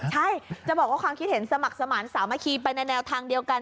ใช่จะบอกว่าความคิดเห็นสมัครสมาธิสามัคคีไปในแนวทางเดียวกัน